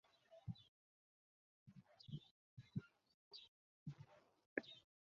佛教各部派共同都有六识的学说。